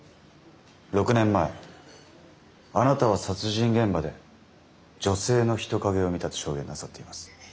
６年前あなたは殺人現場で女性の人影を見たと証言なさっています。